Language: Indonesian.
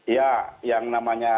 ya yang namanya